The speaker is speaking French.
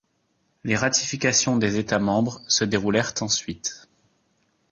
Les ratifications des États membres se déroulèrent ensuite.